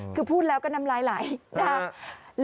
คือพูดแล้วก็นำลายหลายนะฮะ